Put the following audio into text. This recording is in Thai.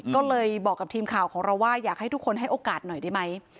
ก็เลยบอกกับทีมข่าวของเราว่าอยากให้ทุกคนให้โอกาสหน่อยได้ไหม